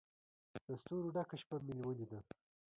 له ستورو ډکه شپه مې ولیده